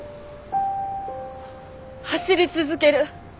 「走り続ける」